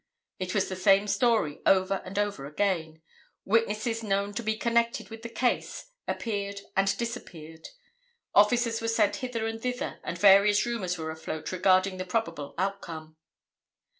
It was the same story over and over again. Witnesses known to be connected with the case appeared and disappeared; officers were sent hither and thither and various rumors were afloat regarding the probable outcome. [Illustration: LIEUT. JOHN DEVINE.